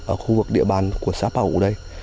ở khu vực địa bàn của xã bảo hủ đây